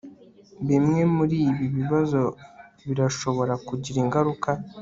Bimwe muribi bibazo birashobora kugira ingaruka